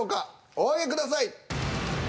お上げください。